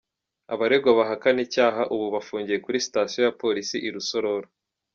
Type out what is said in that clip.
Abaregwa bahakana icyaha; ubu bafungiye kuri station ya polisi i Rusororo.